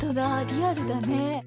リアルだね。